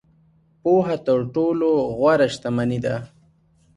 • پوهه تر ټولو غوره شتمني ده.